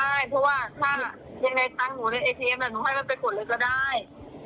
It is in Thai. ไงคือว่าถ้าจะมีใครตั้งหนูในเอทีเอ็มหนูให้มันไปกดเลยก็ได้